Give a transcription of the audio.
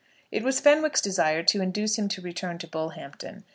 It was Fenwick's desire to induce him to return to Bullhampton.